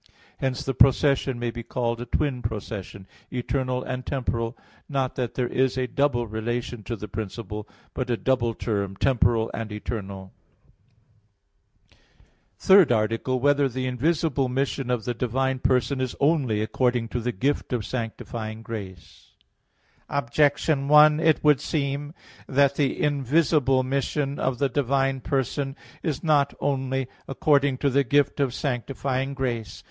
Hence the procession may be called a twin procession, eternal and temporal, not that there is a double relation to the principle, but a double term, temporal and eternal. _______________________ THIRD ARTICLE [I, Q. 43, Art. 3] Whether the Invisible Mission of the Divine Person Is Only According to the Gift of Sanctifying Grace? Objection 1: It would seem that the invisible mission of the divine person is not only according to the gift of sanctifying grace.